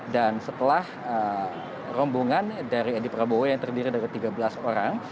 dan setelah rombongan dari edy prabowo yang terdiri dari tiga belas orang